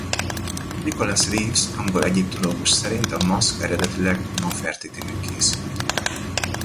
Nicholas Reeves angol egyiptológus szerint a maszk eredetileg Nofertitinek készült.